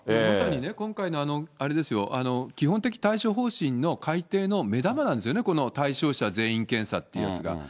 まさにね、今回のあれですよ、基本的対処方針の改定の目玉なんですよね、この対象者全員検査っていうやつが。